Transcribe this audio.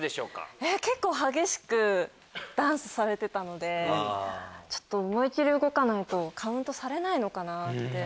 結構激しくダンスされてたので思い切り動かないとカウントされないのかな？